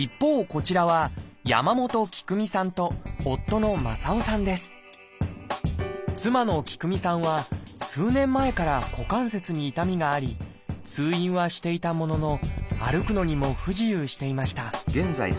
こちらは妻の喜久美さんは数年前から股関節に痛みがあり通院はしていたものの歩くのにも不自由していました